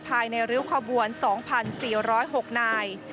ภายในริวขบวน๒๔๐๖นาย